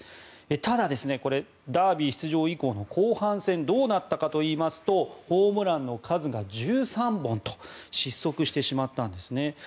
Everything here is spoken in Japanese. ただ、ダービー出場以降の後半戦どうなったかといいますとホームランの数が１３本と失速してしまったんですね。